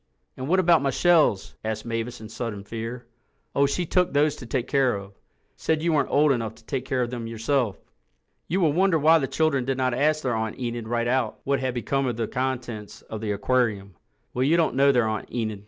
"And what about my shells?" asked Mavis in sudden fear. "Oh, she took those to take care of. Said you weren't old enough to take care of them yourself." You will wonder why the children did not ask their Aunt Enid right out what had become of the contents of the aquarium. Well, you don't know their Aunt Enid.